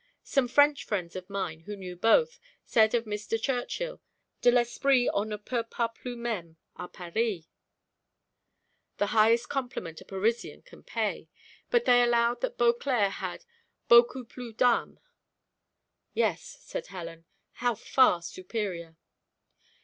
Some French friends of mine who knew both, said of Mr. Churchill, 'De l'esprit on ne peut pas plus même à Paris,' the highest compliment a Parisian can pay, but they allowed that Beauclerc had 'beaucoup plus d'ame.'" "Yes," said Helen; "how far superior!"